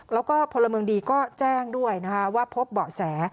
แล้วก็พลเมืองดีก็แจ้งด้วยนะคะว่าพบเบาะแส